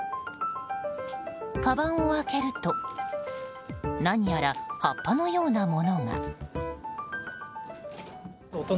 かばんを開けると何やら葉っぱのようなものが。